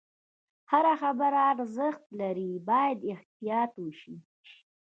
هره خبره ارزښت لري، باید احتیاط وشي.